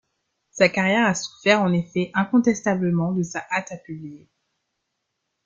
Sa carrière a souffert en effet incontestablement de sa hâte à publier.